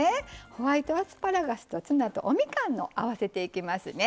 ホワイトアスパラガスとツナと、おみかんを合わせていきますね。